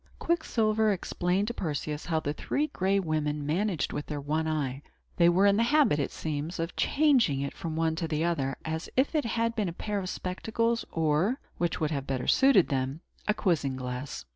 Quicksilver explained to Perseus how the Three Gray Women managed with their one eye. They were in the habit, it seems, of changing it from one to another, as if it had been a pair of spectacles, or which would have suited them better a quizzing glass.